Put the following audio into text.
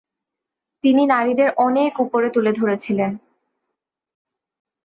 তিনি নারীদের অনেক উপরে তুলে ধরেছিলেন।